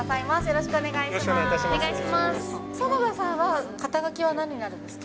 よろしくお願いします。